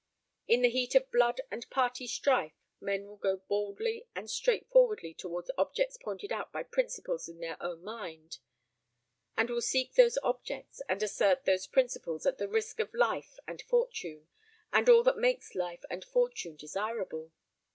In the heat of blood and party strife, men will go boldly and straight forwardly towards objects pointed out by principles in their own mind, and will seek those objects and assert those principles at the risk of life and fortune, and all that makes life and fortune desirable.